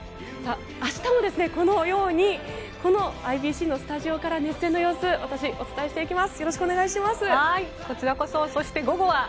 明日もこのようにこのＩＢＣのスタジオから熱戦の様子を私お伝えしていきます